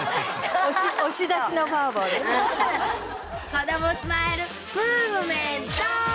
こどもスマイルムーブメント！